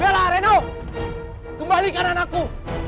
bella reno kembali ke kanan aku